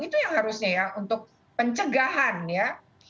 itu yang harusnya ya untuk pencegahan ya